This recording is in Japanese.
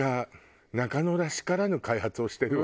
中野らしからぬ開発をしてるわ。